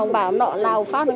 người ta đi nhất là người già nhất